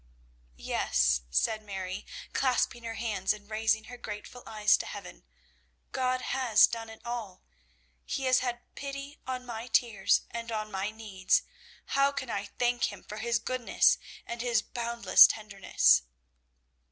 "Yes," said Mary, clasping her hands and raising her grateful eyes to heaven, "God has done it all. He has had pity on my tears and on my needs. How can I thank Him for His goodness and His boundless tenderness?"